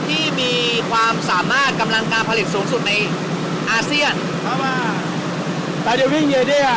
ที่มีความสามารถกำลังการผลิตสูงสุดในอาเซียนเพราะว่าปาเดวิ่งเยเดีย